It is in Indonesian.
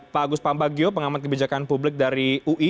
pak agus pambagio pengamat kebijakan publik dari ui